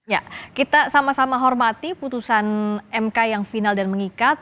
ya kita sama sama hormati putusan mk yang final dan mengikat